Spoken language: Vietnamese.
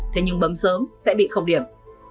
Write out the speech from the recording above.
thế nhưng bấm sớm sẽ bị không điểm